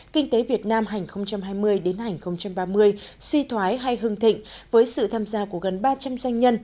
kinh tế việt nam hành hai mươi đến hành ba mươi suy thoái hay hưng thịnh với sự tham gia của gần ba trăm linh doanh nhân